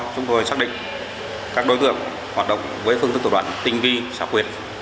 chúng tôi xác định các đối tượng hoạt động với phương thức tổ đoạn tinh vi xã quyết